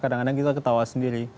kadang kadang kita ketawa sendiri